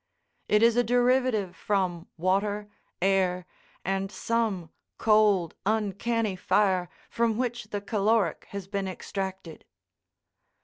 It is a derivative from water, air, and some cold, uncanny fire from which the caloric has been extracted.